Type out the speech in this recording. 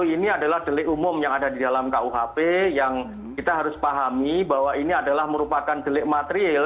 ini adalah delik umum yang ada di dalam kuhp yang kita harus pahami bahwa ini adalah merupakan delik material